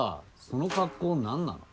その格好なんなの？